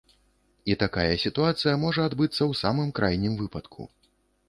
І такая сітуацыя можа адбыцца ў самым крайнім выпадку.